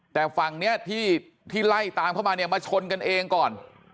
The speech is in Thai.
แต่ฝั่งนี้ที่ไล่ตามเข้ามาเนี่ยมาชนกันเองก่อน